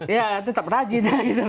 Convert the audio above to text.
ya tetap rajin